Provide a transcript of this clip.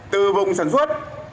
từ vùng sản xuất